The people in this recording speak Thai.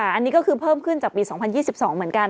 อันนี้ก็คือเพิ่มขึ้นจากปี๒๐๒๒เหมือนกัน